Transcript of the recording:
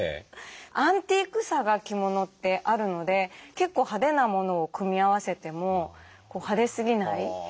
アンティークさが着物ってあるので結構派手なものを組み合わせても派手すぎない。